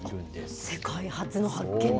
世界初の発見と。